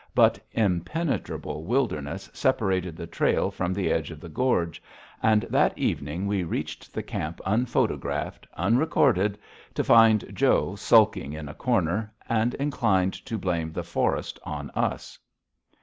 But impenetrable wilderness separated the trail from the edge of the gorge, and that evening we reached the camp unphotographed, unrecorded, to find Joe sulking in a corner and inclined to blame the forest on us.